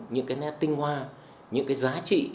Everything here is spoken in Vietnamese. những cái nét tinh hoa những cái giá trị